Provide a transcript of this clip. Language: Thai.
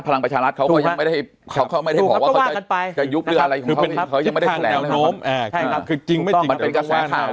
พลังประชารัฐเขาเขายังไม่ได้เขาเขาไม่ได้บอกว่าเขาจะยุบเรืออะไรของเขา